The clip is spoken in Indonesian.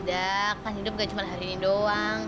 nggak kan hidup nggak cuma hari ini doang